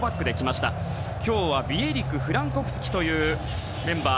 今日はビエリクフランコフスキというメンバー。